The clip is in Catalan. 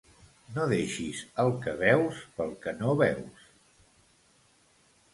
No deixis el que veus pel que no veus.